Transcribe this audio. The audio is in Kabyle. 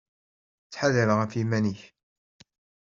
Ttḥadar ɣef yiman-ik.